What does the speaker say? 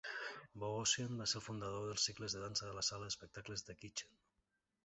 Bogosian va ser el fundador dels cicles de dansa a la sala d'espectacles The Kitchen.